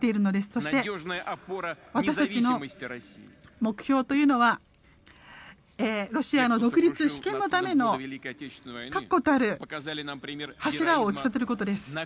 そして私たちの目標というのはロシアの独立主権のための確固たる柱を打ち立てることです。